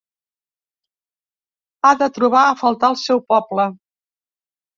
Ha de trobar a faltar el seu poble!